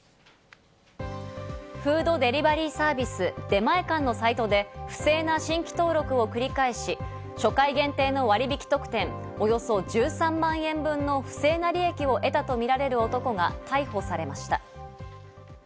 フードデリバリーサービス、出前館のサイトで不正な新規登録を繰り返し、初回限定の割引特典、およそ１３万円分の不正な利益を得たとみられる男が逮捕されました。